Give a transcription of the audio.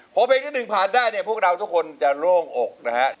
พอเพลงที่๑ผ่านได้เนี่ยพวกเราทุกคนจะโล่งอกนะครับ